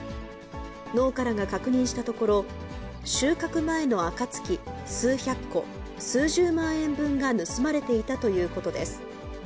農家らが確認したところ、収穫前のあかつき数百個、数十万円分が盗まれていたということです。